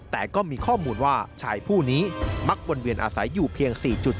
แต่ก็มีข้อมูลว่าชายผู้นี้มักวนเวียนอาศัยอยู่เพียง๔๗